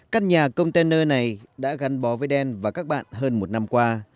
căn nhà container này đã gắn bó với đen và các bạn hơn một năm qua